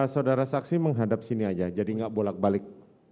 saudara saksi menghadap sini saja jadi tidak bolak balik